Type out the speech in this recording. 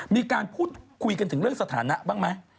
มีการพูดคุยกันถึงเรื่องสถานะบ้างไหม